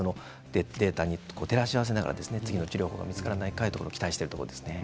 データに照らし合わせながら次の治療法が見つからないかと期待しているところです。